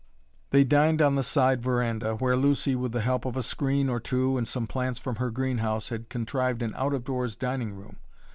They dined on the side veranda, where Lucy, with the help of a screen or two and some plants from her green house, had contrived an out of doors dining room.